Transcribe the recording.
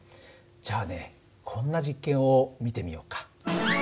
じゃあねこんな実験を見てみようか。